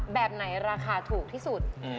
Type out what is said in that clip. แบบไหนราคาถูกที่สุด